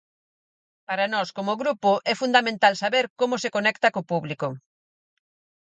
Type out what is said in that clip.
Para nós, como grupo, é fundamental saber como se conecta co público.